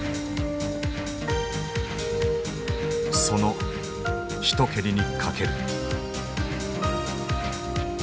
その一蹴りにかける。